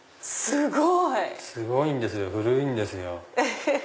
すごいんですよ古いんですよ。